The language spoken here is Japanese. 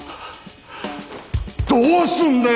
どうすんだよ